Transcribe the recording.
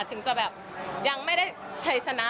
ถึงจะแบบยังไม่ได้ชัยชนะ